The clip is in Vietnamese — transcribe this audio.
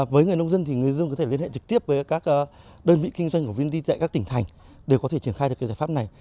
với người nông dân thì người dân có thể liên hệ trực tiếp với các đơn vị kinh doanh của vind tại các tỉnh thành để có thể triển khai được cái giải pháp này